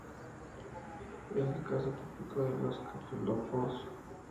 Es el caso típico de los cefalópodos.